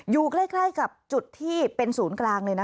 อยู่ใกล้กับจุดที่เป็นศูนย์กลางเลยนะ